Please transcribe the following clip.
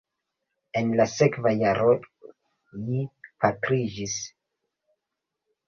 En la sekva jaro ji pastriĝis.